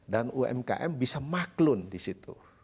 dan umkm bisa maklun di situ